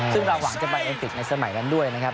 ซึ่งรางหวังจะไปเติมปฏิเสธกันในสมัยนั้นนะครับ